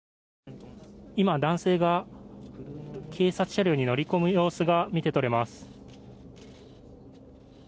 今、男性が警察車両に乗り込む様子が見て取れます。